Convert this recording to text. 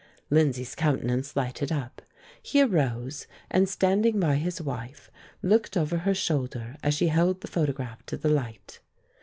Lindsay's countenance lighted up. He arose, and standing by his wife, looked over her shoulder as she held the photograph to the light.